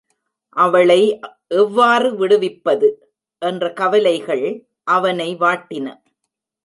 அவளை எவ்வாறு விடுவிப்பது? என்ற கவலைகள் அவனை வாட்டின.